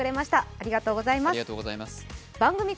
ありがとうございます。